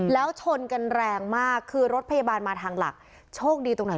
แล้วชนกันแรงมากคือรถพยาบาลมาทางหลักโชคดีตรงไหน